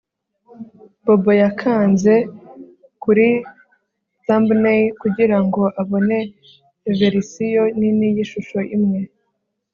Bobo yakanze kuri thumbnail kugirango abone verisiyo nini yishusho imwe